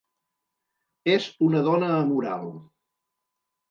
És una dona amoral.